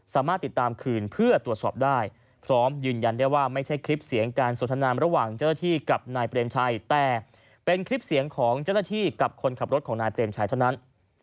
สามารถติดตามคืนเพื่อตรวจสอบได้พร้อมยืนยันได้ว่าไม่ใช่คลิปเสียงการสนทนามระหว่างเจ้าหน้าที่กับนายเปรมชัยแต่เป็นคลิปเสียงของเจ้าหน้าที่กับคนขับรถของนายเปรมชัยเท่านั้น